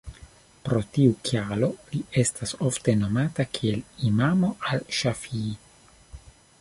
Pro tiu kialo li estas ofte nomata kiel Imamo al-Ŝafi'i.